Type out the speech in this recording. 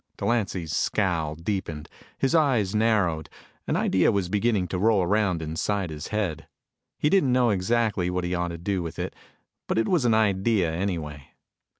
Delancy's scowl deepened. His eyes narrowed. An idea was beginning to roll around inside his head. He didn't know exactly what he ought to do with it, but it was an idea, anyway.